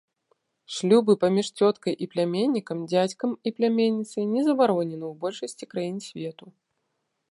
Шлюбы паміж цёткай і пляменнікам, дзядзькам і пляменніцай не забаронены ў большасці краін свету.